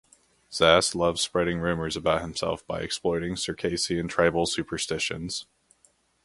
Zass loved spreading rumors about himself by exploiting Circassian tribal superstitions.